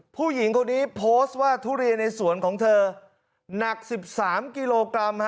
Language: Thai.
ผู้หญิงคนนี้โพสต์ว่าทุเรียนในสวนของเธอหนัก๑๓กิโลกรัม